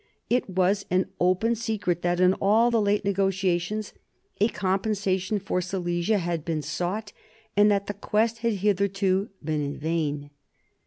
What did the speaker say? It was an open secret that in all the late negotiations a compensation for Silesia had been sought, and that the quest had hitherto been in vain.